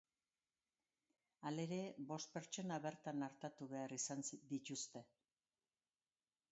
Halere, bost pertsona bertan artatu behar izan dituzte.